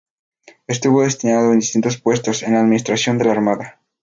Estuvo destinado en distintos puestos en la administración de la Armada.